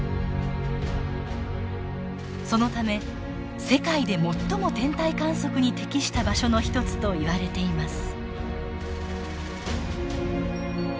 そのため世界で最も天体観測に適した場所の一つといわれています。